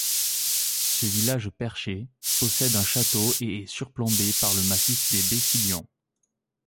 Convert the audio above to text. Ce village perché possède un château et est surplombé par le massif des Bessillons.